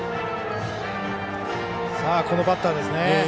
このバッターですね。